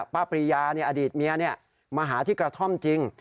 ปริยาอดีตเมียมาหาที่กระท่อมจริง